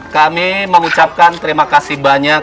kami mengucapkan terima kasih banyak